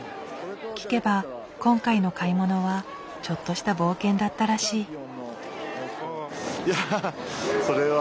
聞けば今回の買い物はちょっとした冒険だったらしい。